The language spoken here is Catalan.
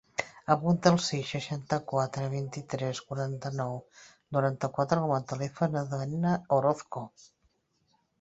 Apunta el sis, seixanta-quatre, vint-i-tres, quaranta-nou, noranta-quatre com a telèfon de l'Etna Orozco.